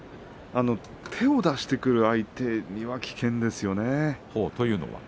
手を出してくる相手には危険ですよね。